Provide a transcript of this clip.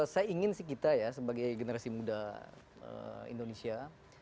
saya ingin kita sebagai generasi muda indonesia